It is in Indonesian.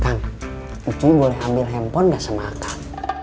kang ibu boleh ambil handphone gak semakan